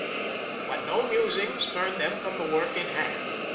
"But no musings turned them from the work in hand.